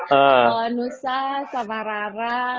kalau nusa sama rara